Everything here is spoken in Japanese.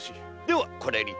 ではこれで。